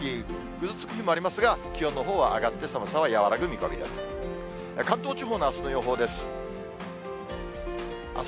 ぐずつく日もありますが、気温のほうが上がって、寒さは和らぐ見込みです。